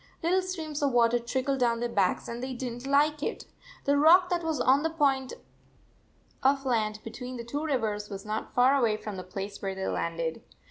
Little streams of water trickled down their backs, and they did n t like it. The rock that was on the point of land 78 between the two rivers was not far away from the place where they landed.